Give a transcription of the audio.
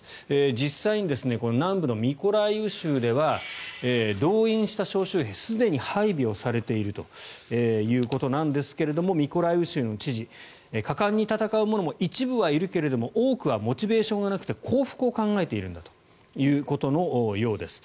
実際に南部のミコライウ州では動員した招集兵すでに配備をされているということなんですけれどもミコライウ州の知事果敢に戦う者も一部はいるけれども多くはモチベーションがなくて降伏を考えているんだということのようです。